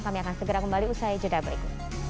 kami akan segera kembali usai jodha break